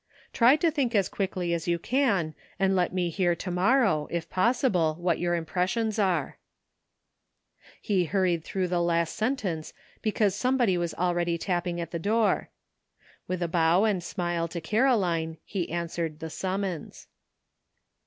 Try to think as quickly as you can, and let me hear to morrow, if possible, what your impressions are." 350 ANOTHER ''SIDE TRACK:' 'He hurried through the last sentence because somebody was already tapping at the door. With a bow and smile to Caroline he answered the summons.